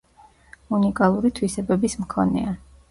უნიკალური თვისებების მქონეა.